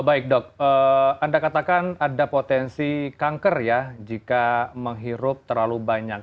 baik dok anda katakan ada potensi kanker ya jika menghirup terlalu banyak